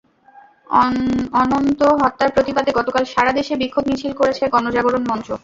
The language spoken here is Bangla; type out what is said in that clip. অনন্ত হত্যার প্রতিবাদে গতকাল সারা দেশে বিক্ষোভ মিছিল করেছে গণজাগরণ মঞ্চ।